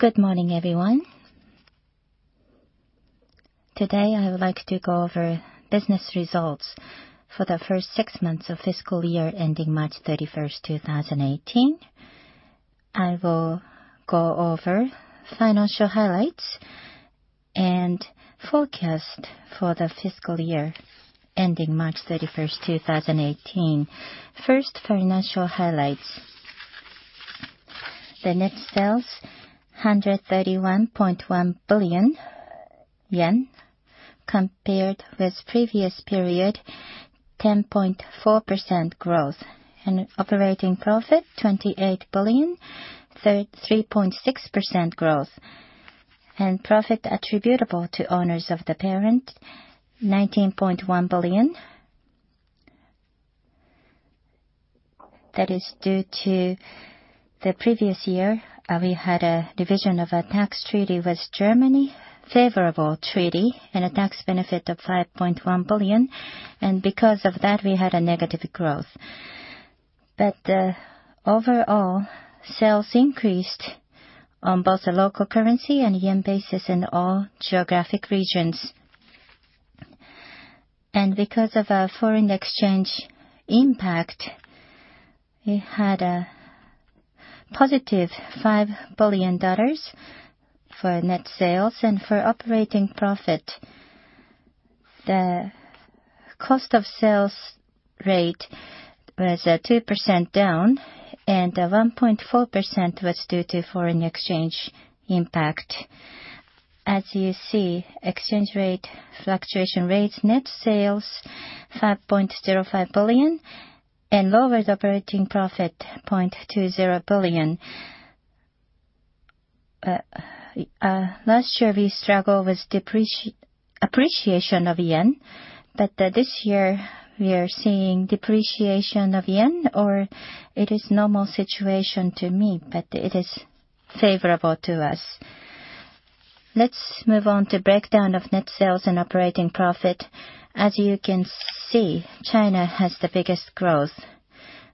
Good morning, everyone. Today, I would like to go over business results for the first six months of fiscal year ending March 31st, 2018. I will go over financial highlights and forecast for the fiscal year ending March 31st, 2018. First, financial highlights. The net sales, 131.1 billion yen compared with previous period, 10.4% growth. Operating profit, 28 billion, 3.6% growth. Profit attributable to owners of the parent, 19.1 billion. That is due to the previous year, we had a revision of a tax treaty with Germany, favorable treaty, and a tax benefit of 5.1 billion. Because of that, we had a negative growth. Overall, sales increased on both the local currency and yen basis in all geographic regions. Because of a foreign exchange impact, we had a positive JPY 5 billion for net sales. For operating profit, the cost of sales rate was 2% down and 1.4% was due to foreign exchange impact. As you see, exchange rate fluctuation rates, net sales 5.05 billion and lower the operating profit 0.20 billion. Last year, we struggled with appreciation of yen, but this year we are seeing depreciation of yen, or it is normal situation to me, but it is favorable to us. Let's move on to breakdown of net sales and operating profit. As you can see, China has the biggest growth.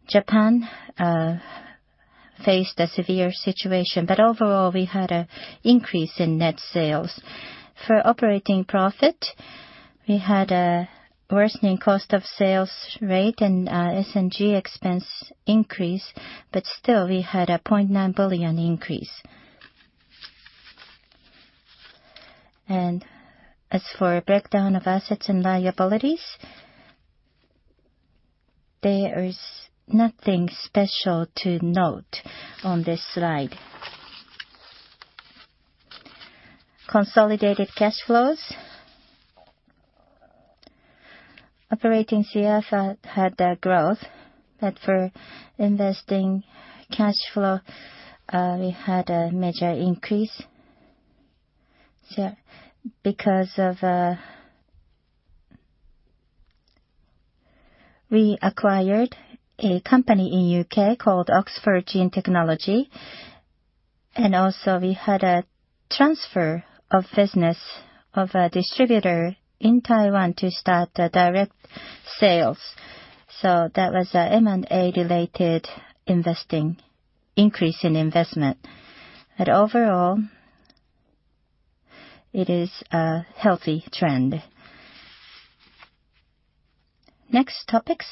Japan faced a severe situation, overall, we had an increase in net sales. For operating profit, we had a worsening cost of sales rate and SG&A expense increase, still we had a 0.9 billion increase. As for a breakdown of assets and liabilities, there is nothing special to note on this slide. Consolidated cash flows. Operating CF had a growth, for investing cash flow, we had a major increase. We acquired a company in U.K. called Oxford Gene Technology, and also we had a transfer of business of a distributor in Taiwan to start the direct sales. That was an M&A related increase in investment. Overall, it is a healthy trend. Next topics.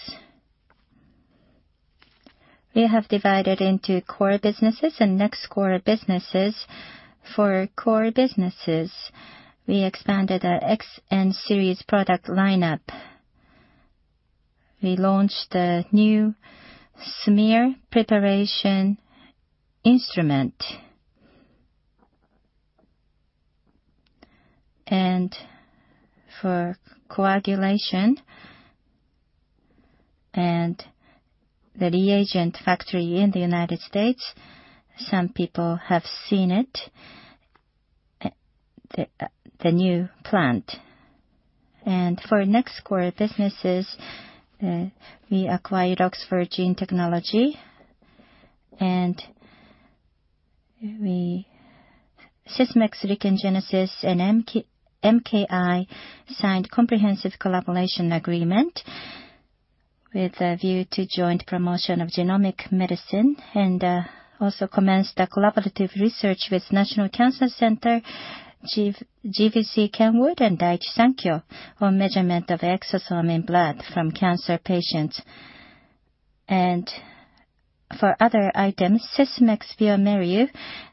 We have divided into core businesses and next core businesses. For core businesses, we expanded our XN-Series product lineup. We launched a new smear preparation instrument. For coagulation and the reagent factory in the U.S., some people have seen it, the new plant. For next core businesses, we acquired Oxford Gene Technology and Sysmex, RIKEN GENESIS and MKI signed comprehensive collaboration agreement with a view to joint promotion of genomic medicine and also commenced a collaborative research with National Cancer Center Japan, JVCKENWOOD, and Daiichi Sankyo on measurement of exosome in blood from cancer patients. For other items, Sysmex bioMérieux,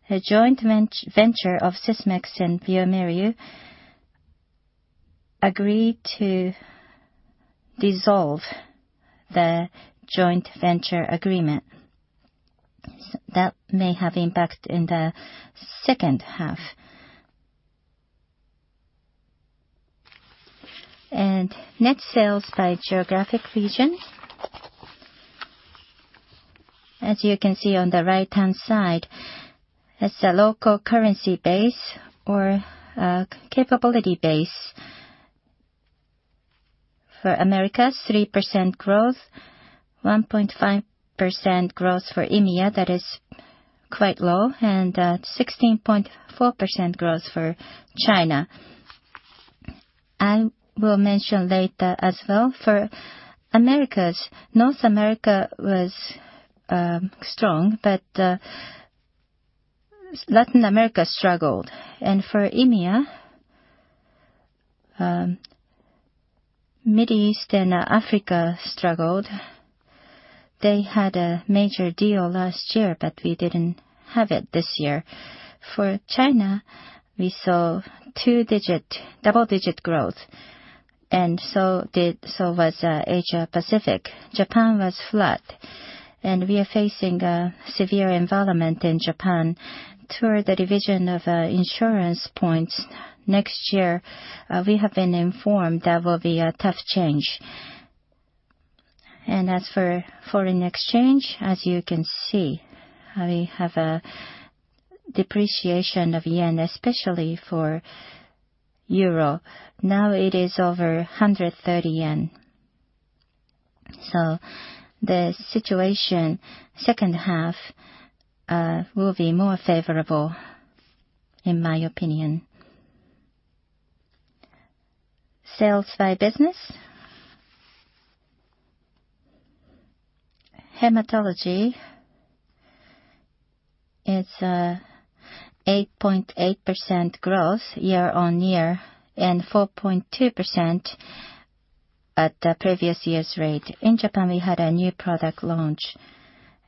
a joint venture of Sysmex and bioMérieux, agreed to dissolve the joint venture agreement. That may have impact in the second half. Net sales by geographic region. As you can see on the right-hand side, as a local currency base or capability base. For Americas, 3% growth, 1.5% growth for EMEA, that is quite low, 16.4% growth for China. I will mention later as well for Americas, North America was strong, Latin America struggled. For EMEA, Middle East and Africa struggled. They had a major deal last year, but we didn't have it this year. For China, we saw double-digit growth. So was Asia Pacific. Japan was flat. We are facing a severe environment in Japan toward the revision of insurance points next year. We have been informed that will be a tough change. As for foreign exchange, as you can see, we have a depreciation of yen, especially for EUR. Now it is over 130 yen. The situation second half will be more favorable, in my opinion. Sales by business. Hematology is 8.8% growth year-on-year and 4.2% at the previous year's rate. In Japan, we had a new product launch.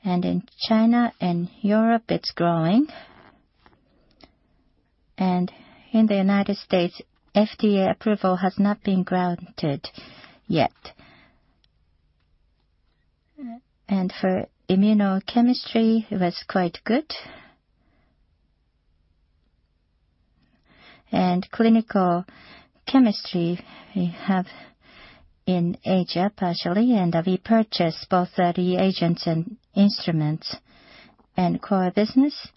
In China and Europe, it is growing. In the U.S., FDA approval has not been granted yet. For immunochemistry, it was quite good. Clinical chemistry, we have in Asia partially, and we purchased both reagents and instruments. Core business,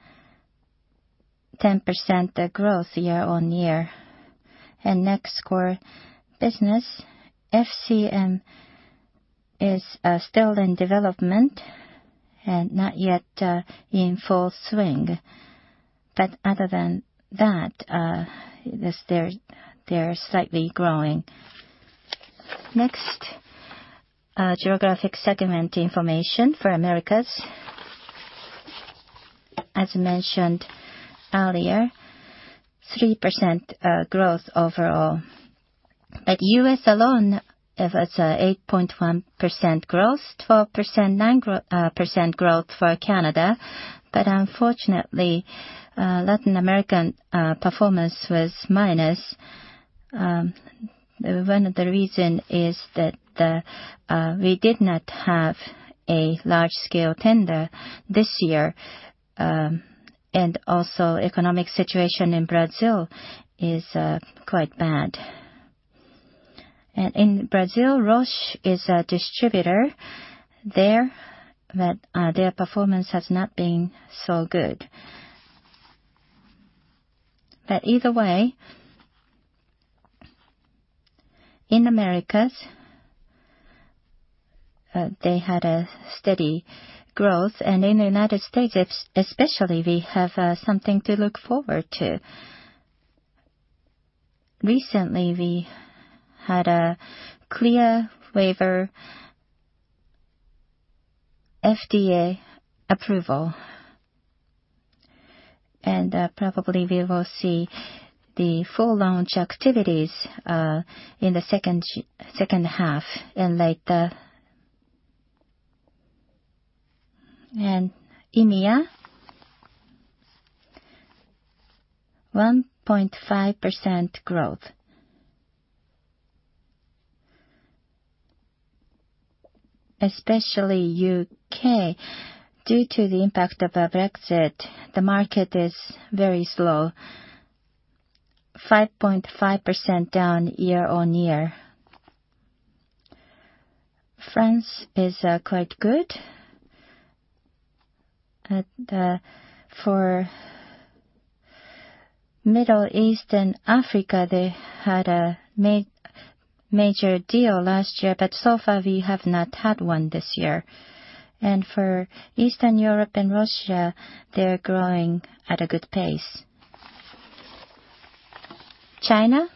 10% growth year-on-year. Next core business, FCM is still in development and not yet in full swing. Other than that, they are slightly growing. Next, geographic segment information for Americas. As mentioned earlier, 3% growth overall. U.S. alone, it is 8.1% growth, 12%, 9% growth for Canada. Unfortunately, Latin American performance was minus. One of the reasons is that we did not have a large-scale tender this year. Also, economic situation in Brazil is quite bad. In Brazil, Roche is a distributor there, but their performance has not been so good. Either way, in Americas, they had a steady growth. In the U.S. especially, we have something to look forward to. Recently, we had a CLIA waiver FDA approval. Probably we will see the full launch activities in the second half and later. EMEA, 1.5% growth. Especially U.K., due to the impact of Brexit, the market is very slow, 5.5% down year-on-year. France is quite good. For Middle East and Africa, they had a major deal last year, but so far we have not had one this year. For Eastern Europe and Russia, they are growing at a good pace. China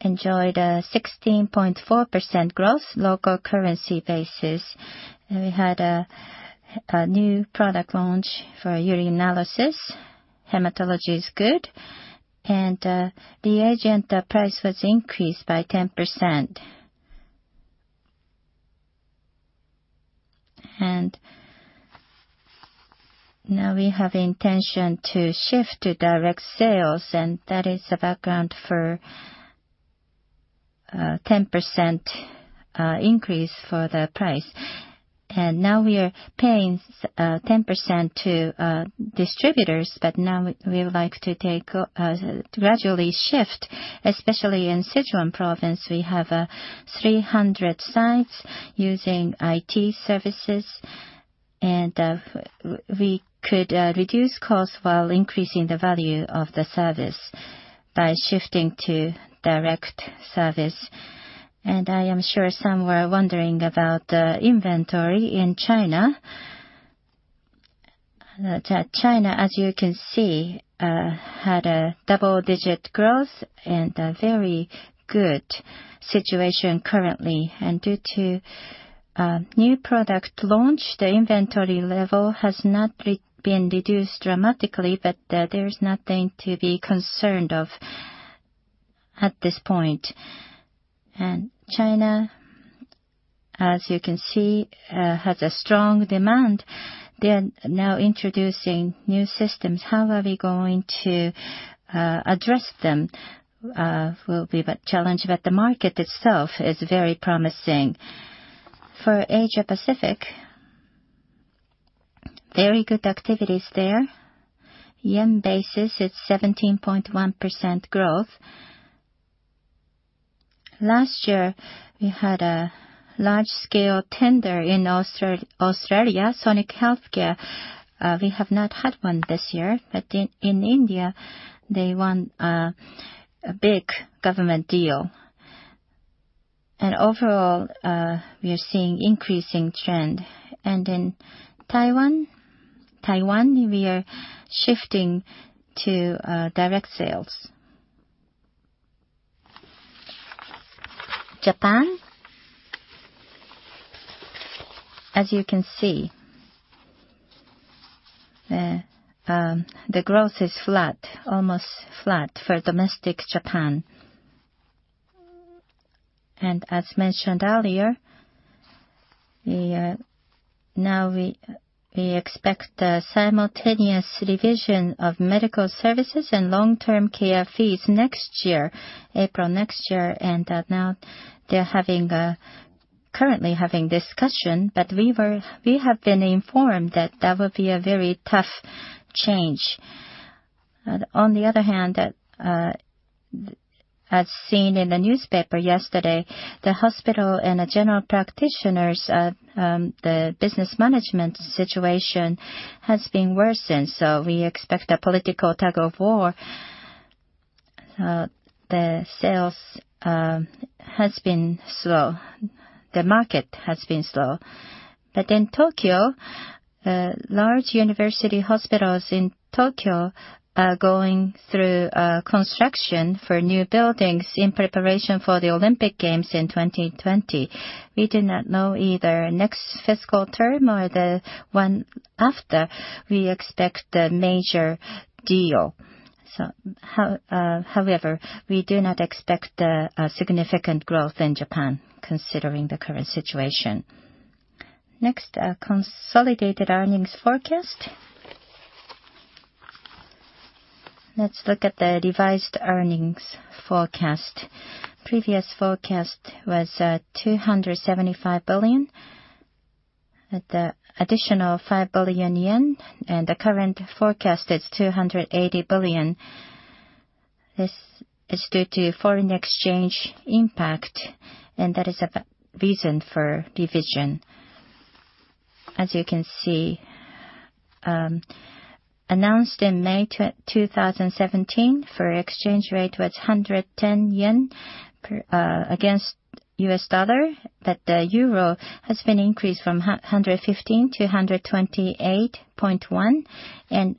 enjoyed a 16.4% growth, local currency basis. We had a new product launch for urine analysis. Hematology is good. The agent price was increased by 10%. Now we have intention to shift to direct sales, and that is the background for 10% increase for the price. Now we are paying 10% to distributors, but now we would like to gradually shift, especially in Sichuan province. We have 300 sites using IT services, and we could reduce costs while increasing the value of the service by shifting to direct service. I am sure some were wondering about the inventory in China. China, as you can see, had a double-digit growth and a very good situation currently. Due to new product launch, the inventory level has not been reduced dramatically, but there is nothing to be concerned of at this point. China, as you can see, has a strong demand. They are now introducing new systems. How are we going to address them will be the challenge, but the market itself is very promising. For Asia Pacific, very good activities there. JPY basis, it is 17.1% growth. Last year, we had a large-scale tender in Australia, Sonic Healthcare. We have not had one this year, but in India, they won a big government deal. Overall, we are seeing increasing trend. In Taiwan, we are shifting to direct sales. Japan, as you can see, the growth is flat, almost flat for domestic Japan. As mentioned earlier, now we expect a simultaneous revision of medical services and long-term care fees April next year. Now they're currently having discussion, but we have been informed that that would be a very tough change. On the other hand, as seen in the newspaper yesterday, the hospital and the general practitioners, the business management situation has been worsened, so we expect a political tug-of-war. The sales has been slow. The market has been slow. In Tokyo, large university hospitals in Tokyo are going through construction for new buildings in preparation for the Olympic Games in 2020. We do not know either next fiscal term or the one after, we expect the major deal. However, we do not expect a significant growth in Japan considering the current situation. Next, consolidated earnings forecast. Let's look at the revised earnings forecast. Previous forecast was 275 billion. At the additional 5 billion yen, the current forecast is 280 billion. This is due to foreign exchange impact, and that is a reason for revision. As you can see, announced in May 2017, foreign exchange rate was 110 yen against USD, but the EUR has been increased from 115 to 128.1, and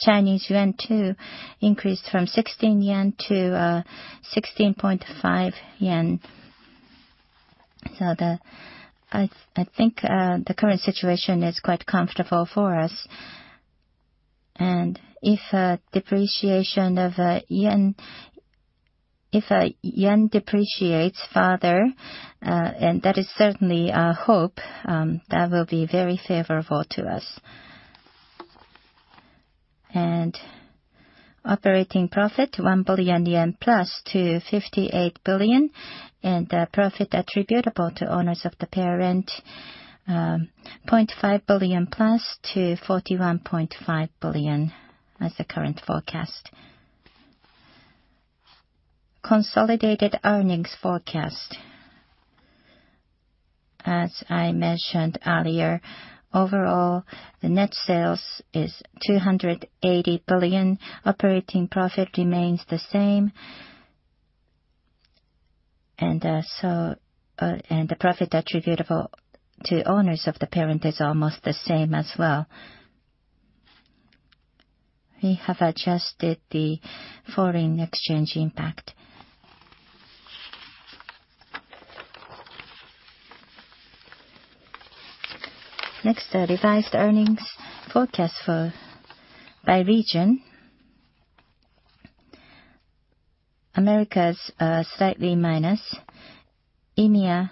Chinese yuan too, increased from CNY 16 to CNY 16.5. So I think the current situation is quite comfortable for us. If yen depreciates further, and that is certainly our hope, that will be very favorable to us. Operating profit, 1 billion yen plus to 58 billion, and profit attributable to owners of the parent, 0.5 billion plus to 41.5 billion as the current forecast. Consolidated earnings forecast. As I mentioned earlier, overall, the net sales is 280 billion. Operating profit remains the same. The profit attributable to owners of the parent is almost the same as well. We have adjusted the foreign exchange impact. Next, the revised earnings forecast by region. Americas, slightly minus. EMEA,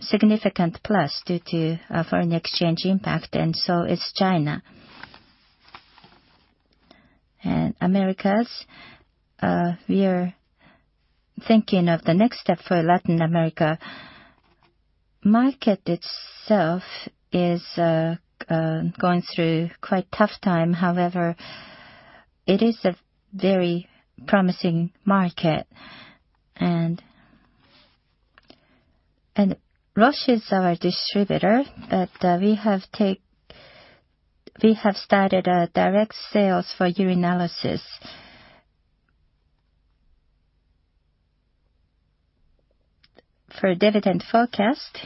significant plus due to foreign exchange impact, and so is China. Americas, we are thinking of the next step for Latin America. Market itself is going through quite tough time. However, it is a very promising market. Roche is our distributor, but we have started a direct sales for urinalysis. For dividend forecast,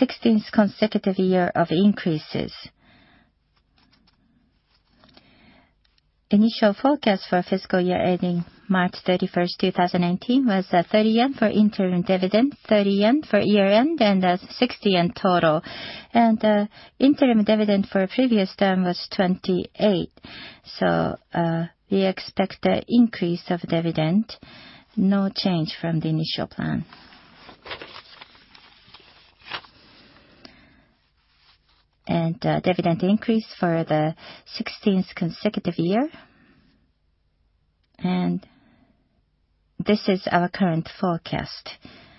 16th consecutive year of increases. Initial forecast for fiscal year ending March 31st, 2018, was 30 yen for interim dividend, 30 yen for year-end, and that's 60 yen total. Interim dividend for previous term was 28. So we expect an increase of dividend, no change from the initial plan. Dividend increase for the 16th consecutive year. This is our current forecast.